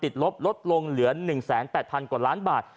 ลบลดลงเหลือ๑๘๐๐๐กว่าล้านบาท